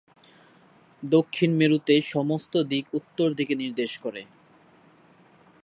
দক্ষিণ মেরুতে সমস্ত দিক উত্তর দিকে নির্দেশ করে।